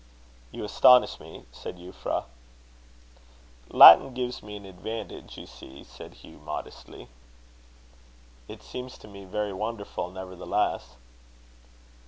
"You astonish me," said Euphra. "Latin gives me an advantage, you see," said Hugh modestly. "It seems to be very wonderful, nevertheless."